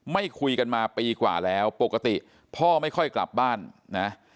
ไม่คุยกันมาปีกว่าแล้วปกติพ่อไม่ค่อยกลับบ้านนะ